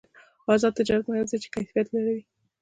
آزاد تجارت مهم دی ځکه چې کیفیت لوړوي.